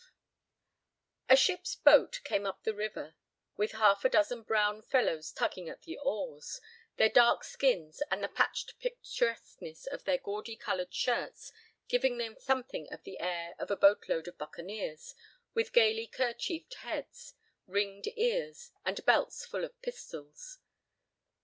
V A ship's boat came up the river with half a dozen brown fellows tugging at the oars, their dark skins and the patched picturesqueness of their gaudy colored shirts giving them something of the air of a boat load of buccaneers with gayly kerchiefed heads, ringed ears, and belts full of pistols.